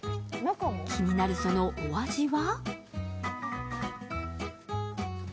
気になるそのお味は？